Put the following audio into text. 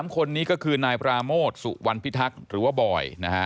๓คนนี้ก็คือนายปราโมทสุวรรณพิทักษ์หรือว่าบอย